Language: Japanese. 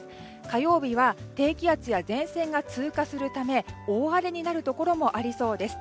火曜日は低気圧や前線が通過するため大荒れになるところもありそうです。